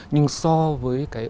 nhưng so với cái